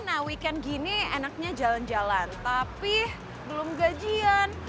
nah weekend gini enaknya jalan jalan tapi belum gajian